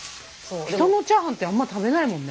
人のチャーハンってあんまり食べないもんね。